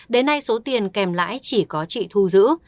đến nay số tiền kèm lãi chỉ có chị thu giữ